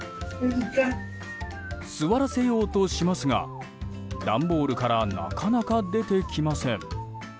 座らせようとしますが段ボールからなかなか出てきません。